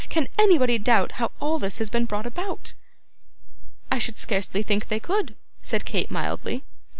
Can anybody doubt how all this has been brought about?' 'I should scarcely think they could,' said Kate mildly.